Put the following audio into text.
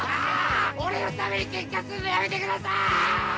俺のためにけんかするのやめてください！